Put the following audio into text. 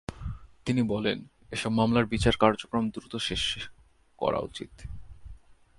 তিনি বলেন, এসব মামলার বিচার কার্যক্রম দ্রুত শেষ শেষ করা উচিত।